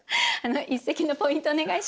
一席のポイントお願いします。